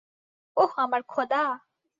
ওহ, আমার খোদা!